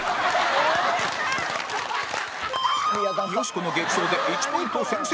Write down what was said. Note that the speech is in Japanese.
よしこの激走で１ポイント先制